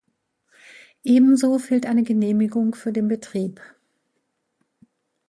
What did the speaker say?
Ebenso fehlt eine Genehmigung für den Betrieb.